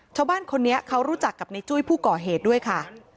ชาวบ้านคนนี้เขารู้จักกับในจุ้ยผู้ก่อเหตุด้วยค่ะ